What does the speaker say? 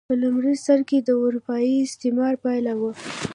په لومړي سر کې د اروپايي استعمار پایله وه.